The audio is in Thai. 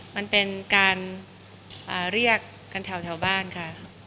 มันเป็นการเรียกกันแถวบ้านค่ะ